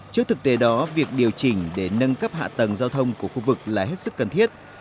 trước thực tế đó việc điều chỉnh để nâng cấp hạ tầng giao thông của khu vực là hết sức cần thiết